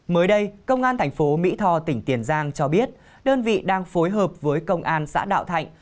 mới đây công an thành phố mỹ tho tỉnh tiền giang cho biết đơn vị đang phối hợp với công an xã đạo thạnh